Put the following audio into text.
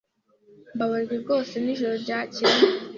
Mbabajwe rwose nijoro ryakeye.